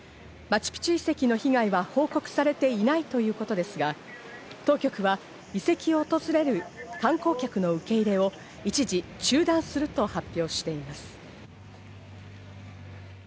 マチュピチュ遺跡の被害は報告されていないということですが、当局は遺跡を訪れる観光客の受け入れを一時中断すると発表しています。